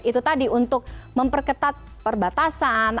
itu tadi untuk memperketat perbatasan